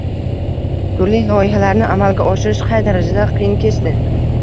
turli loyihalarni amalga oshirish qay darajada qiyin kechdi?